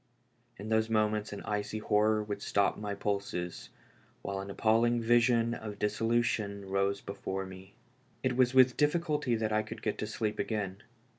In those moments an icy horror would stop my pulses, while an appalling vision of dissolution rose before me. It Avas with difficulty that I could get to sleep again.